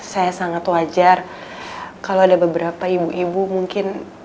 saya sangat wajar kalau ada beberapa ibu ibu mungkin